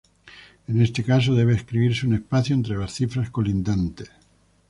En este caso debe escribirse un espacio entre las cifras colindantes.